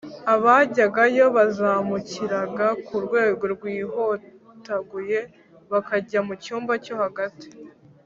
abajyagayo bazamukiraga ku rwego rwihotaguye bakajya mu cyumba cyo hagati